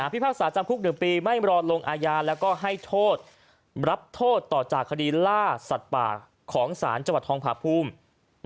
พิพากษาจำคุก๑ปีไม่รอลงอาญาแล้วก็ให้โทษรับโทษต่อจากคดีล่าสัตว์ป่าของศาลจังหวัดทองผาภูมิ